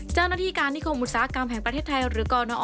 เจ้าหน้าที่การนิคมอุตสาหกรรมแห่งประเทศไทยหรือกรณอ